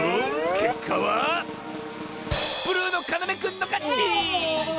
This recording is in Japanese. けっかはブルーのかなめくんのかち！